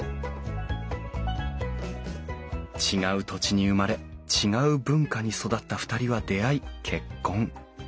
違う土地に生まれ違う文化に育った２人は出会い結婚。